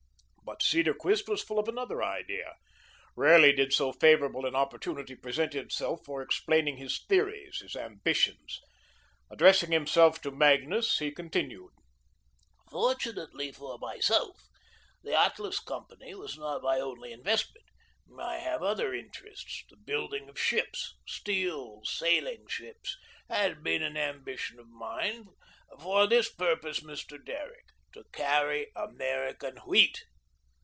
But Cedarquist was full of another idea. Rarely did so favourable an opportunity present itself for explaining his theories, his ambitions. Addressing himself to Magnus, he continued: "Fortunately for myself, the Atlas Company was not my only investment. I have other interests. The building of ships steel sailing ships has been an ambition of mine, for this purpose, Mr. Derrick, to carry American wheat.